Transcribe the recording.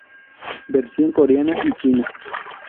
Versión Coreana y China